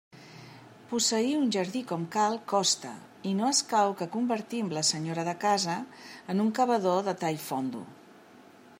Posseir un jardí com cal costa, i no escau que convertim la senyora de casa en un cavador de tall fondo.